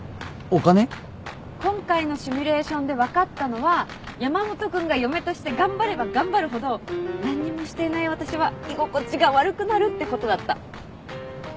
今回のシミュレーションで分かったのは山本君が嫁として頑張れば頑張るほど何にもしていない私は居心地が悪くなるってことだった。